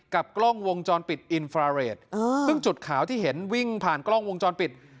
กล้องวงจรปิดอินฟราเรทซึ่งจุดขาวที่เห็นวิ่งผ่านกล้องวงจรปิด